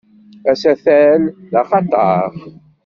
Asatal d axatar.